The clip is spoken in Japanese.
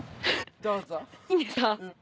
どうぞ。